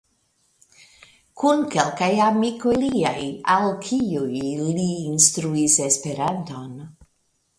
Kun kelkaj amikoj liaj, al kiuj li instruis Esperanton.